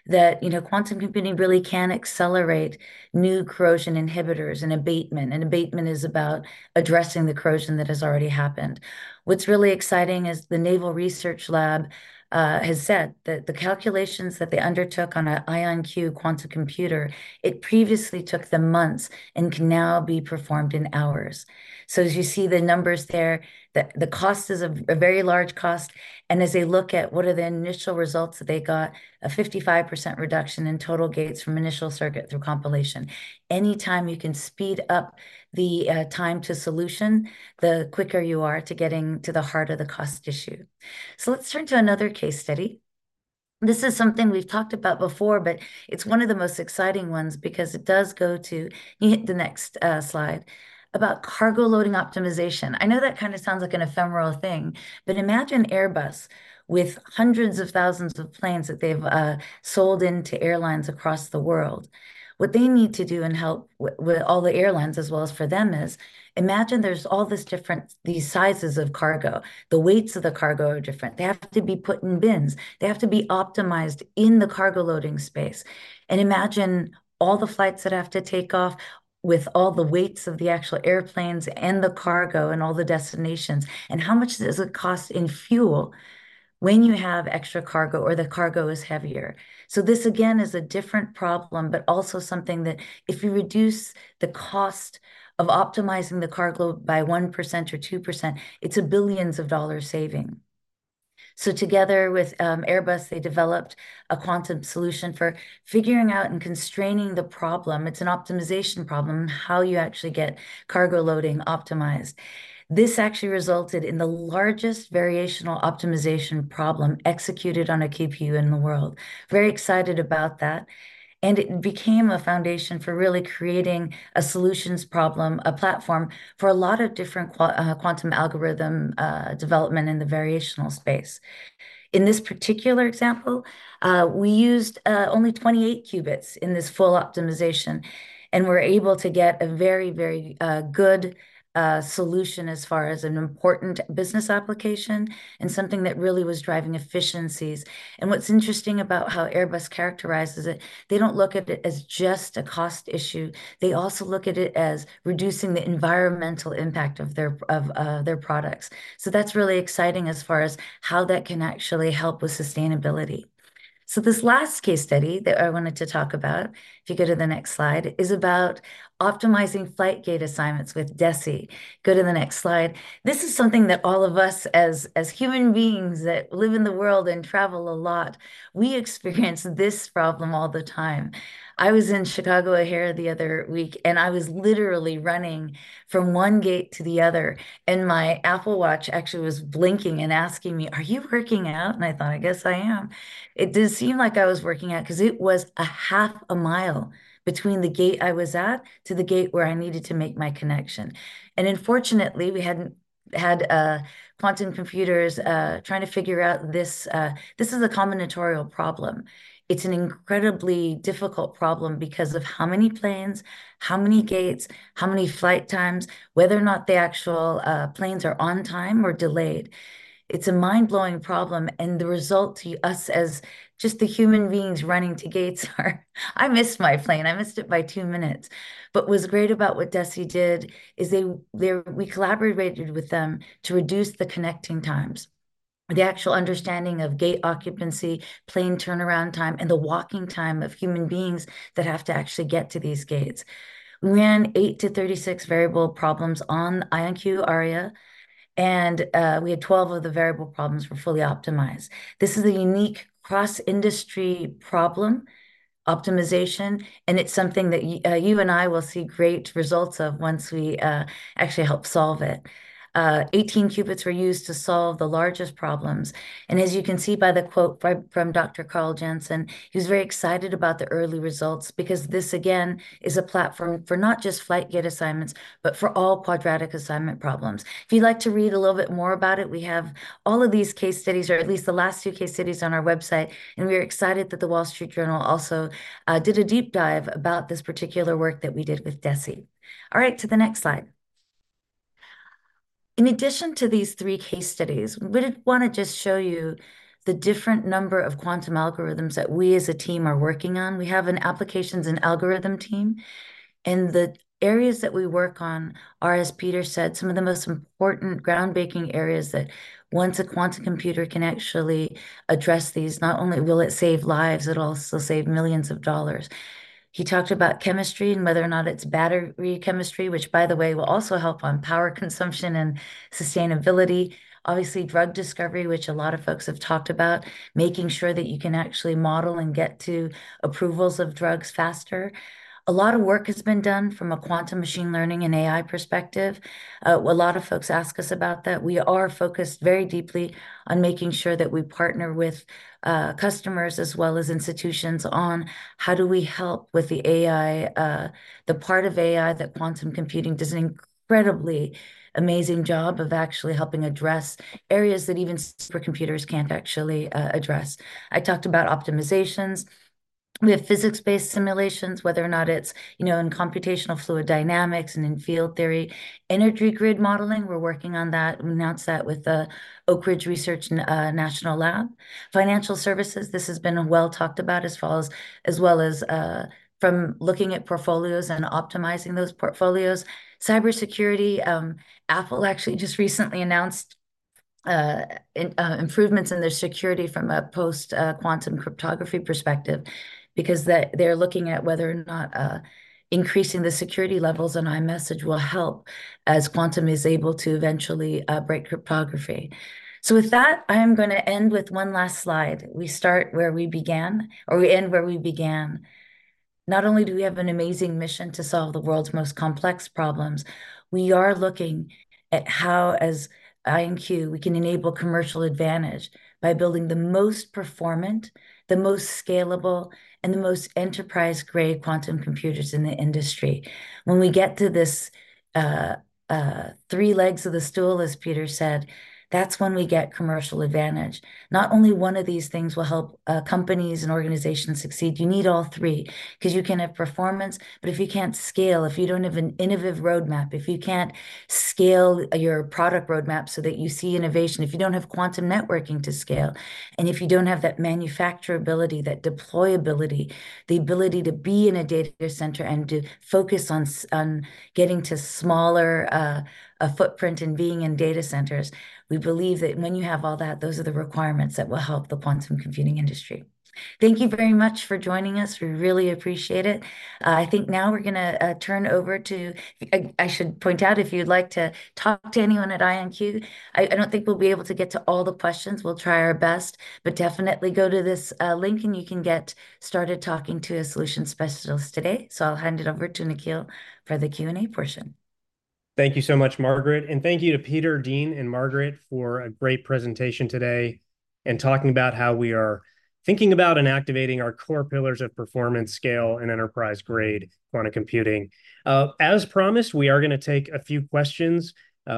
S4: that, you know, quantum computing really can accelerate new corrosion inhibitors and abatement, and abatement is about addressing the corrosion that has already happened. What's really exciting is the Naval Research Lab has said that the calculations that they undertook on an IonQ quantum computer, it previously took them months, and can now be performed in hours. So as you see the numbers there, the cost is a very large cost, and as they look at, what are the initial results that they got? A 55% reduction in total gates from initial circuit through compilation. Any time you can speed up the time to solution, the quicker you are to getting to the heart of the cost issue. So let's turn to another case study. This is something we've talked about before, but it's one of the most exciting ones because it does go to... Can you hit the next slide? About cargo loading optimization. I know that kind of sounds like an ephemeral thing, but imagine Airbus with hundreds of thousands of planes that they've sold into airlines across the world. What they need to do and help with all the airlines, as well as for them, is imagine there's all these different sizes of cargo. The weights of the cargo are different. They have to be put in bins. They have to be optimized in the cargo loading space, and imagine all the flights that have to take off with all the weights of the actual airplanes, and the cargo, and all the destinations, and how much does it cost in fuel when you have extra cargo or the cargo is heavier? So this, again, is a different problem, but also something that if you reduce the cost of optimizing the cargo by 1% or 2%, it's $ billions saving. So together with Airbus, they developed a quantum solution for figuring out and constraining the problem. It's an optimization problem, how you actually get cargo loading optimized. This actually resulted in the largest variational optimization problem executed on a QPU in the world. Very excited about that, and it became a foundation for really creating a solutions problem, a platform for a lot of different quantum algorithm development in the variational space. In this particular example, we used only 28 qubits in this full optimization and were able to get a very, very good solution as far as an important business application and something that really was driving efficiencies. And what's interesting about how Airbus characterizes it, they don't look at it as just a cost issue. They also look at it as reducing the environmental impact of their their products. So that's really exciting as far as how that can actually help with sustainability. So this last case study that I wanted to talk about, if you go to the next slide, is about optimizing flight gate assignments with DESY. Go to the next slide. This is something that all of us, as human beings that live in the world and travel a lot, we experience this problem all the time. I was in Chicago O'Hare the other week, and I was literally running from one gate to the other, and my Apple Watch actually was blinking and asking me, "Are you working out?" And I thought, "I guess I am." It did seem like I was working out, 'cause it was a half a mile between the gate I was at to the gate where I needed to make my connection, and unfortunately, we had quantum computers trying to figure out this; this is a combinatorial problem. It's an incredibly difficult problem because of how many planes, how many gates, how many flight times, whether or not the actual, planes are on time or delayed. It's a mind-blowing problem, and the result to us as just the human beings running to gates are, "I missed my plane. I missed it by 2 minutes." But what's great about what DESY did is they, we collaborated with them to reduce the connecting times, the actual understanding of gate occupancy, plane turnaround time, and the walking time of human beings that have to actually get to these gates. We ran 8-36 variable problems on IonQ Aria, and we had 12 of the variable problems were fully optimized. This is a unique cross-industry problem optimization, and it's something that you and I will see great results of once we actually help solve it. 18 qubits were used to solve the largest problems, and as you can see by the quote from, from Dr. Karl Jansen, he was very excited about the early results because this, again, is a platform for not just flight gate assignments, but for all quadratic assignment problems. If you'd like to read a little bit more about it, we have all of these case studies, or at least the last two case studies on our website, and we are excited that The Wall Street Journal also did a deep dive about this particular work that we did with DESY. All right, to the next slide. In addition to these three case studies, we did want to just show you the different number of quantum algorithms that we as a team are working on. We have an applications and algorithm team, and the areas that we work on are, as Peter said, some of the most important groundbreaking areas that once a quantum computer can actually address these, not only will it save lives, it'll also save millions of dollars. He talked about chemistry and whether or not it's battery chemistry, which, by the way, will also help on power consumption and sustainability. Obviously, drug discovery, which a lot of folks have talked about, making sure that you can actually model and get to approvals of drugs faster. A lot of work has been done from a quantum machine learning and AI perspective. A lot of folks ask us about that. We are focused very deeply on making sure that we partner with customers as well as institutions on how do we help with the AI. The part of AI that quantum computing does an incredibly amazing job of actually helping address areas that even supercomputers can't actually address. I talked about optimizations. We have physics-based simulations, whether or not it's, you know, in computational fluid dynamics and in field theory. Energy grid modeling, we're working on that. We announced that with the Oak Ridge National Laboratory. Financial services, this has been well talked about, as well as from looking at portfolios and optimizing those portfolios. Cybersecurity, Apple actually just recently announced improvements in their security from a post-quantum cryptography perspective, because they're looking at whether or not increasing the security levels on iMessage will help, as quantum is able to eventually break cryptography. So with that, I'm going to end with one last slide. We start where we began, or we end where we began. Not only do we have an amazing mission to solve the world's most complex problems, we are looking at how, as IonQ, we can enable commercial advantage by building the most performant, the most scalable, and the most enterprise-grade quantum computers in the industry. When we get to this three legs of the stool, as Peter said, that's when we get commercial advantage. Not only one of these things will help companies and organizations succeed. You need all three. 'Cause you can have performance, but if you can't scale, if you don't have an innovative roadmap, if you can't scale your product roadmap so that you see innovation, if you don't have quantum networking to scale, and if you don't have that manufacturability, that deployability, the ability to be in a data center and to focus on getting to smaller footprint and being in data centers, we believe that when you have all that, those are the requirements that will help the quantum computing industry. Thank you very much for joining us. We really appreciate it. I think now we're gonna turn over to... I should point out, if you'd like to talk to anyone at IonQ, I don't think we'll be able to get to all the questions. We'll try our best, but definitely go to this link, and you can get started talking to a solution specialist today. So I'll hand it over to Nikhil for the Q&A portion.
S1: Thank you so much, Margaret, and thank you to Peter, Dean, and Margaret for a great presentation today, and talking about how we are thinking about and activating our core pillars of performance, scale, and enterprise-grade quantum computing. As promised, we are gonna take a few questions.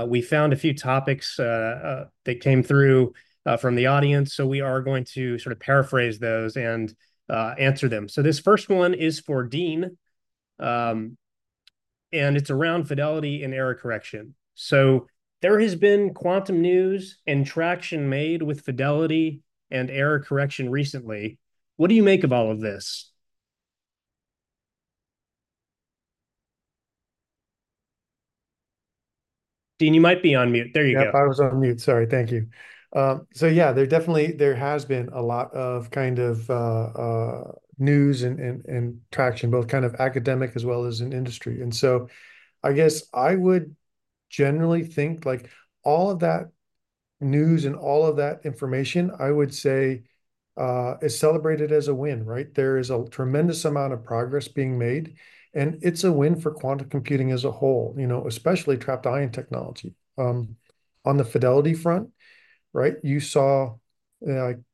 S1: We found a few topics that came through from the audience, so we are going to sort of paraphrase those and answer them. So this first one is for Dean, and it's around fidelity and error correction. So there has been quantum news and traction made with fidelity and error correction recently. What do you make of all of this? Dean, you might be on mute. There you go.
S3: Yep, I was on mute, sorry. Thank you. So yeah, there definitely—there has been a lot of, kind of, news and traction, both kind of academic as well as in industry. And so I guess I would generally think, like, all of that news and all of that information, I would say, is celebrated as a win, right? There is a tremendous amount of progress being made, and it's a win for quantum computing as a whole, you know, especially trapped ion technology. On the fidelity front, right, you saw- ...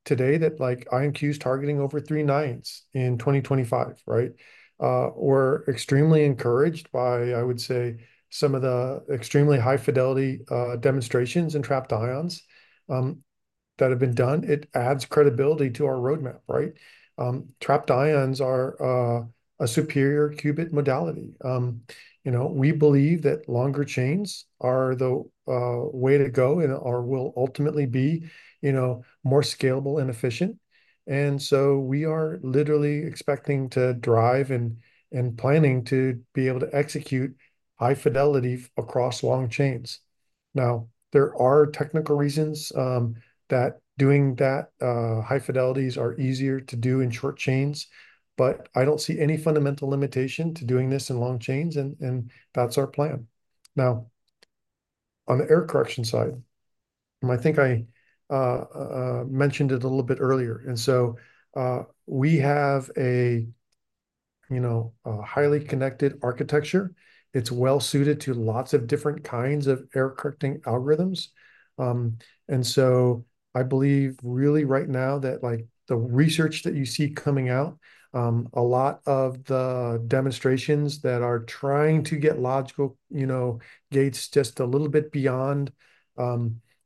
S3: today that like IonQ is targeting over three nines in 2025, right? We're extremely encouraged by, I would say, some of the extremely high fidelity demonstrations in trapped ions that have been done. It adds credibility to our roadmap, right? Trapped ions are a superior qubit modality. You know, we believe that longer chains are the way to go and, or will ultimately be, you know, more scalable and efficient. And so we are literally expecting to drive and planning to be able to execute high fidelity across long chains. Now, there are technical reasons that doing that high fidelities are easier to do in short chains, but I don't see any fundamental limitation to doing this in long chains, and that's our plan. Now, on the error correction side, and I think I mentioned it a little bit earlier, and so, we have a, you know, a highly connected architecture. It's well suited to lots of different kinds of error correcting algorithms. And so I believe really right now that, like, the research that you see coming out, a lot of the demonstrations that are trying to get logical, you know, gates just a little bit beyond,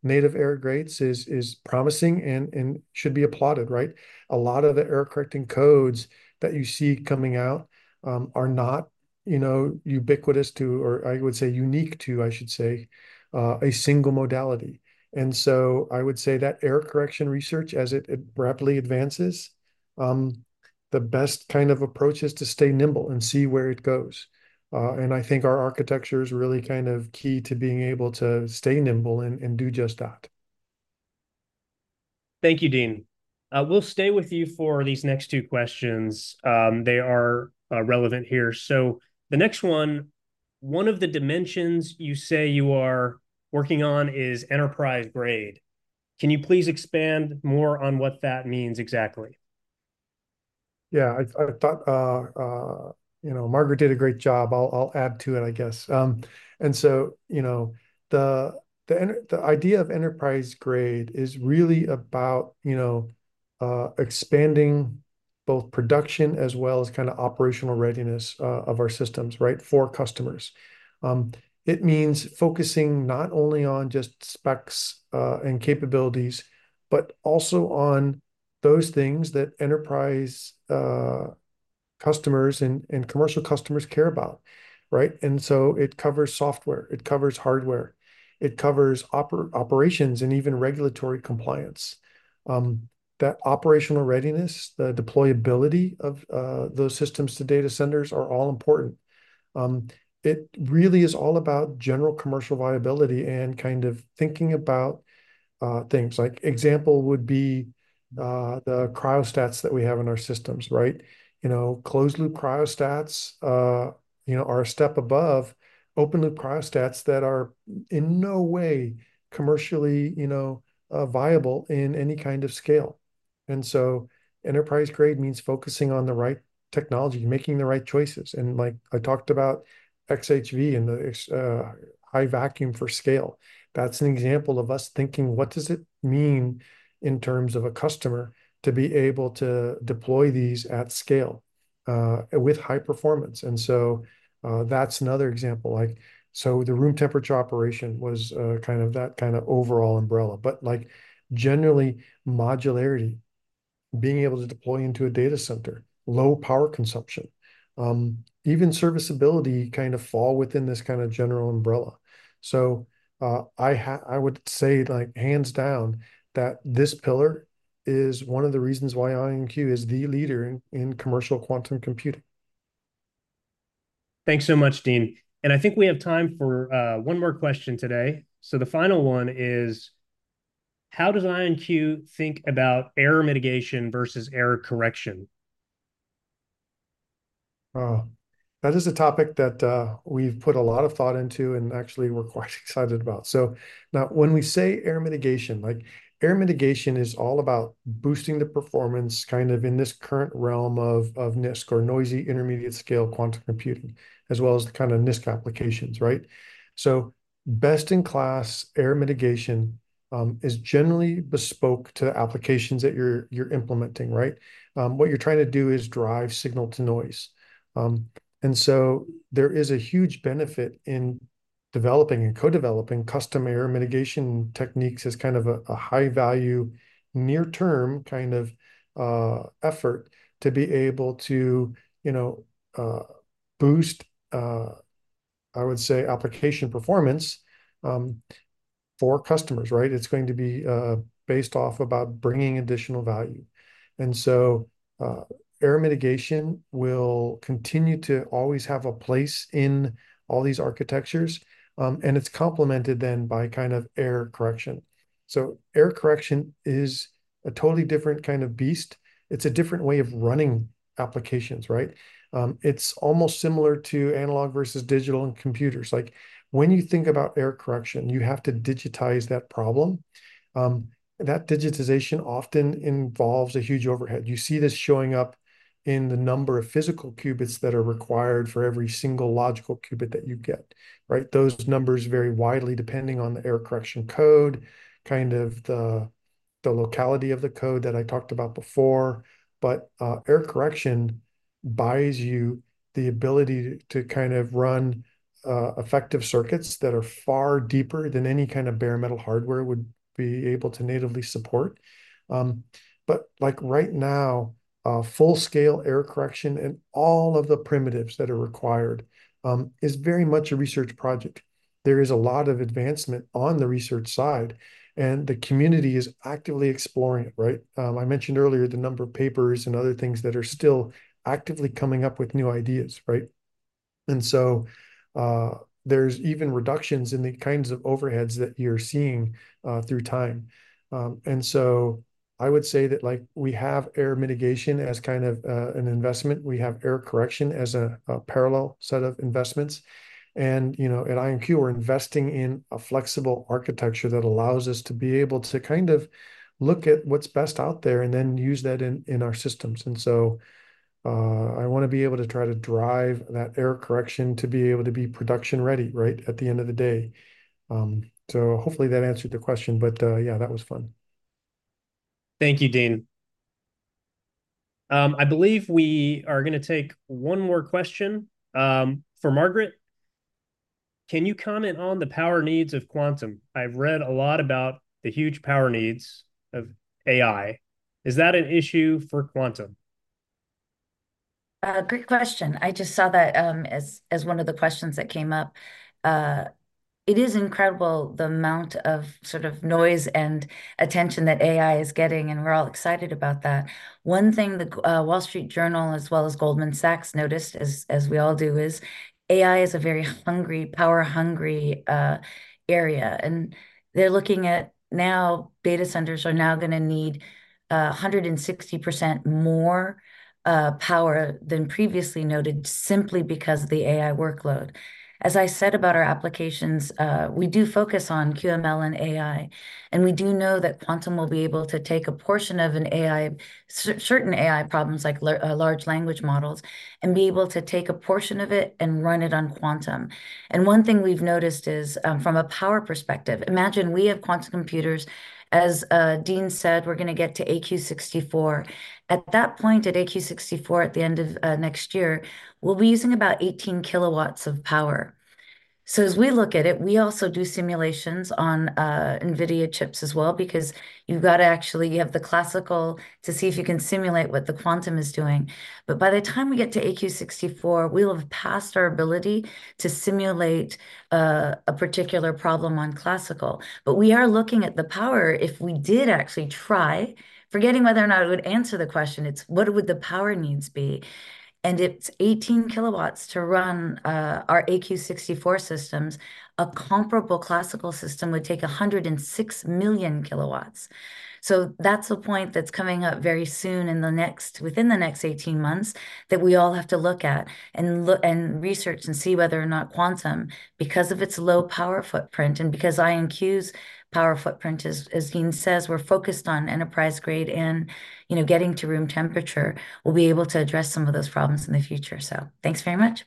S3: native error rates is promising and should be applauded, right? A lot of the error correcting codes that you see coming out are not, you know, ubiquitous to, or I would say unique to, I should say, a single modality. And so I would say that error correction research, as it rapidly advances, the best kind of approach is to stay nimble and see where it goes. And I think our architecture is really kind of key to being able to stay nimble and do just that.
S1: Thank you, Dean. We'll stay with you for these next two questions. They are relevant here. So the next one, one of the dimensions you say you are working on is enterprise grade. Can you please expand more on what that means exactly?
S3: Yeah, I thought, you know, Margaret did a great job. I'll add to it, I guess. And so, you know, the idea of enterprise grade is really about, you know, expanding both production as well as kind of operational readiness of our systems, right, for customers. It means focusing not only on just specs and capabilities, but also on those things that enterprise customers and commercial customers care about, right? And so it covers software, it covers hardware, it covers operations, and even regulatory compliance. That operational readiness, the deployability of those systems to data centers are all important. It really is all about general commercial viability and kind of thinking about things like, example would be, the cryostats that we have in our systems, right? You know, closed loop cryostats, you know, are a step above open loop cryostats that are in no way commercially, you know, viable in any kind of scale. And so enterprise grade means focusing on the right technology, making the right choices. And like I talked about XHV and the X high vacuum for scale. That's an example of us thinking what does it mean in terms of a customer to be able to deploy these at scale, with high performance? And so, that's another example. Like, so the room temperature operation was, kind of that kind of overall umbrella. But like generally, modularity, being able to deploy into a data center, low power consumption, even serviceability kind of fall within this kind of general umbrella. I would say, like, hands down, that this pillar is one of the reasons why IonQ is the leader in commercial quantum computing.
S1: Thanks so much, Dean. I think we have time for one more question today. The final one is: how does IonQ think about error mitigation versus error correction?
S3: Oh, that is a topic that, we've put a lot of thought into and actually we're quite excited about. So now when we say error mitigation, like error mitigation is all about boosting the performance kind of in this current realm of NISQ, or noisy intermediate scale quantum computing, as well as the kind of NISQ applications, right? So best-in-class error mitigation is generally bespoke to the applications that you're implementing, right? What you're trying to do is drive signal to noise. And so there is a huge benefit in developing and co-developing custom error mitigation techniques as kind of a high value, near term kind of effort to be able to, you know, boost, I would say, application performance for customers, right? It's going to be based off about bringing additional value. And so, error mitigation will continue to always have a place in all these architectures, and it's complemented then by kind of error correction. So error correction is a totally different kind of beast. It's a different way of running applications, right? It's almost similar to analog versus digital in computers. Like, when you think about error correction, you have to digitize that problem. That digitization often involves a huge overhead. You see this showing up in the number of physical qubits that are required for every single logical qubit that you get, right? Those numbers vary widely depending on the error correction code, kind of the locality of the code that I talked about before. But error correction buys you the ability to kind of run effective circuits that are far deeper than any kind of bare metal hardware would be able to natively support. But like right now, a full-scale error correction and all of the primitives that are required is very much a research project. There is a lot of advancement on the research side, and the community is actively exploring it, right? I mentioned earlier the number of papers and other things that are still actively coming up with new ideas, right? And so there's even reductions in the kinds of overheads that you're seeing through time. And so I would say that like we have error mitigation as kind of an investment. We have error correction as a parallel set of investments. You know, at IonQ, we're investing in a flexible architecture that allows us to be able to kind of look at what's best out there and then use that in our systems. So, I wanna be able to try to drive that error correction to be able to be production-ready, right, at the end of the day. So hopefully that answered the question, but yeah, that was fun.
S1: Thank you, Dean. I believe we are gonna take one more question, for Margaret. Can you comment on the power needs of quantum? I've read a lot about the huge power needs of AI. Is that an issue for quantum?
S4: Great question. I just saw that, as one of the questions that came up. It is incredible the amount of sort of noise and attention that AI is getting, and we're all excited about that. One thing The Wall Street Journal, as well as Goldman Sachs, noticed, as we all do, is AI is a very hungry, power-hungry area, and they're looking at now data centers are now gonna need 160% more power than previously noted simply because of the AI workload. As I said about our applications, we do focus on QML and AI, and we do know that quantum will be able to take a portion of an AI, certain AI problems, like large language models, and be able to take a portion of it and run it on quantum. One thing we've noticed is, from a power perspective, imagine we have quantum computers. As Dean said, we're gonna get to AQ 64. At that point, at AQ 64, at the end of next year, we'll be using about 18 kW of power. We also do simulations on NVIDIA chips as well, because you've got to actually... You have the classical to see if you can simulate what the quantum is doing. By the time we get to AQ 64, we'll have passed our ability to simulate a particular problem on classical. We are looking at the power if we did actually try, forgetting whether or not it would answer the question, it's what would the power needs be? It's 18 kW to run our AQ 64 systems. A comparable classical system would take 106 million kW. So that's a point that's coming up very soon within the next 18 months, that we all have to look at, and research and see whether or not quantum, because of its low power footprint and because IonQ's power footprint is, as Dean says, we're focused on enterprise-grade and, you know, getting to room temperature, we'll be able to address some of those problems in the future. So, thanks very much.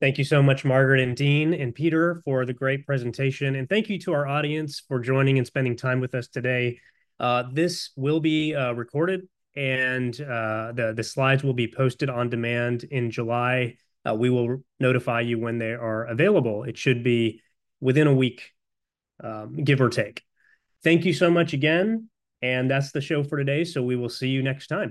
S1: Thank you so much, Margaret, and Dean, and Peter, for the great presentation. Thank you to our audience for joining and spending time with us today. This will be recorded, and the slides will be posted on demand in July. We will notify you when they are available. It should be within a week, give or take. Thank you so much again, and that's the show for today, so we will see you next time.